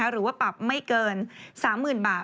หรือว่าปรับไม่เกิน๓๐๐๐บาท